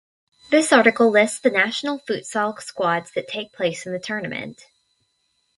This article lists the national futsal squads that take part in the tournament.